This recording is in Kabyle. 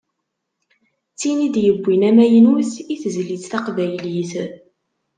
D tin i d-yewwin amaynut i tezlit taqbaylit.